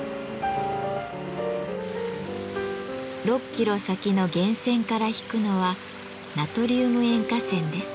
６キロ先の源泉から引くのはナトリウム塩化泉です。